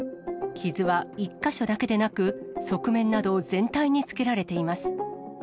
傷は１か所だけでなく、側面など全体につけられています。